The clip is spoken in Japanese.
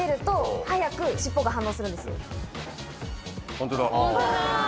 ホントだ。